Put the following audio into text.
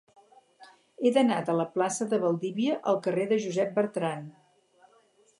He d'anar de la plaça de Valdivia al carrer de Josep Bertrand.